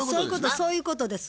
そういうことです。